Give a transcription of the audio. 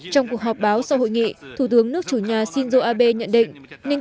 trong cuộc họp báo sau hội nghị thủ tướng nước chủ nhà shinzo abe nhận định